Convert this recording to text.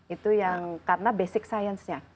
itu yang karena basic science nya